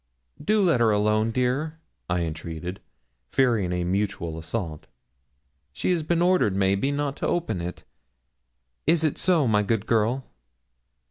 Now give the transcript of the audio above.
'Do let her alone, dear,' I entreated, fearing a mutual assault. 'She has been ordered, may be, not to open it. Is it so, my good girl?'